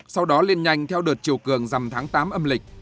sau đó lên nhanh theo đợt chiều cường dằm tháng tám âm lịch